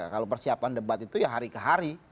kalau persiapan debat itu ya hari ke hari